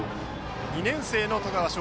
２年生の十川奨